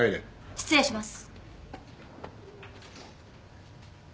失礼します。